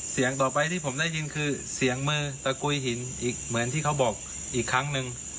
เสียงต่อไปที่ผมได้ยินคือเสียงมือตะกุยหินอีกเหมือนที่เขาบอกอีกครั้งหนึ่ง